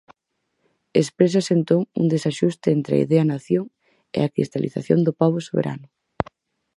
Exprésase entón un desaxuste entre a Idea Nación e a cristalización do pobo soberano.